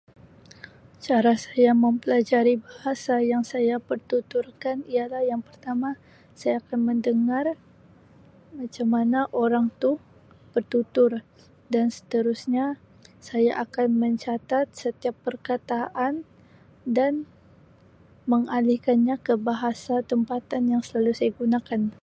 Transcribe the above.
Cara saya mempelajari bahasa yang saya pertuturkan ialah yang pertama saya akan mendengar macam mana orang tu bertutur dan seterusnya saya akan mencatat setiap perkataan dan mengalihkannya ke bahasa tempatan yang selalu saya gunakan.